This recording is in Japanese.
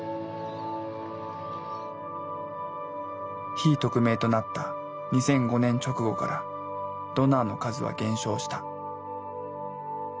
非匿名となった２００５年直後からドナーの数は減少した。